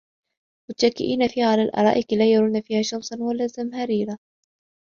مُتَّكِئينَ فيها عَلَى الأَرائِكِ لا يَرَونَ فيها شَمسًا وَلا زَمهَريرًا